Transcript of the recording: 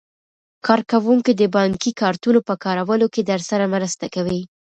کارکوونکي د بانکي کارتونو په کارولو کې درسره مرسته کوي.